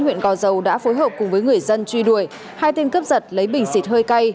huyện gò dầu đã phối hợp cùng với người dân truy đuổi hai tên cướp giật lấy bình xịt hơi cay